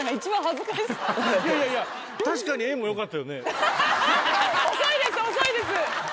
遅いです遅いです。